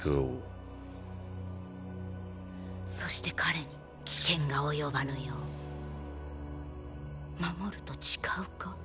そして彼に危険が及ばぬよう守ると誓うか？